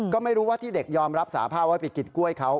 ก็ไม่รู้ว่าที่เด็กยอมรับสาภาพว่าไปกินกล้วยเขา